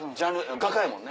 画家やもんね。